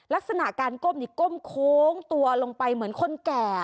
ลักษณะการก้มนี่ก้มโค้งตัวลงไปเหมือนคนแก่